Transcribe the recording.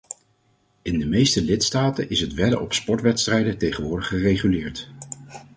In de meeste lidstaten is het wedden op sportwedstrijden tegenwoordig gereguleerd.